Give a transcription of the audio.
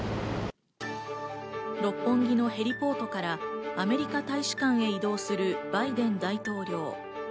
六本木のヘリポートからアメリカ大使館へ移動するバイデン大統領。